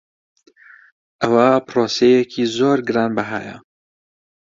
ئەوە پرۆسەیەکی زۆر گرانبەهایە.